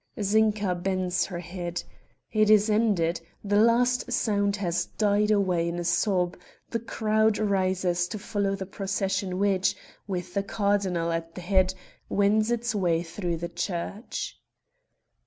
Zinka bends her head. It is ended, the last sound has died away in a sob, the crowd rises to follow the procession which, with a cardinal at the head, wends its way through the church.